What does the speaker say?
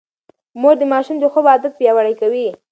مور د ماشوم د خوب عادت پياوړی کوي.